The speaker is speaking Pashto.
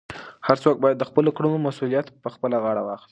هر څوک باید د خپلو کړنو مسؤلیت په خپله غاړه واخلي.